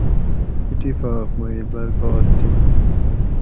اتفاق مئ برکات تھی